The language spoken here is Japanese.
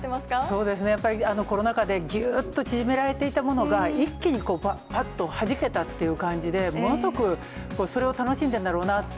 そうですね、やっぱりコロナ禍で、ぎゅーっと縮められていたものが、一気にぱっとはじけたっていう感じで、ものすごくそれを楽しんでるんだろうなって。